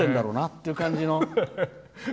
っていう感じの。